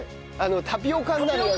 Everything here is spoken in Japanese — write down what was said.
タピオカになるやつ。